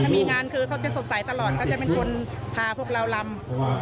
ถ้ามีงานคือเขาจะสดใสตลอดเขาจะเป็นคนพาพวกเรารำ